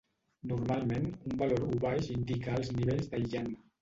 Normalment, un valor U baix indica alts nivells d'aïllant.